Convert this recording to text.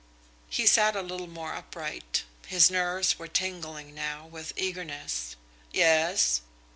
He sat a little more upright. His nerves were tingling now with eagerness. "Yes?"